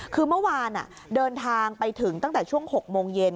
คือเมื่อวานเดินทางไปถึงตั้งแต่ช่วง๖โมงเย็น